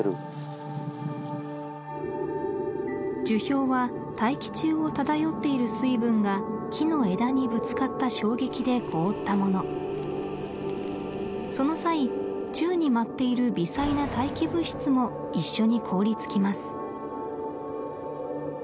樹氷は大気中を漂っている水分が木の枝にぶつかった衝撃で凍ったものその際宙に舞っている微細な大気物質も一緒に凍りつきます